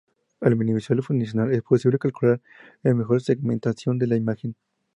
Al minimizar el funcional es posible calcular la mejor segmentación de la imagen.